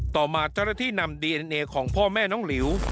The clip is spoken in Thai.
ต่อมาเจ้าหน้าที่นำดีเอ็นเอของพ่อแม่น้องหลิว